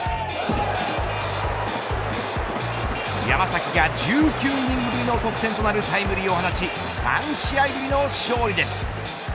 山崎が１９イニングぶりの得点となるタイムリーを放ち３試合ぶりの勝利です。